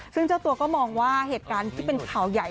ซึ่งเจ้าตัวก็มองว่าเหตุการณ์ที่เป็นข่าวใหญ่